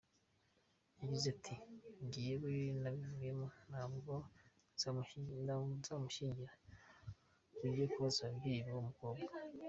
Yagize ati “Njyewe nabivuyemo, ntabwo nzamushyingira, ujye kubaza ababyeyi b’uwo mukobwa.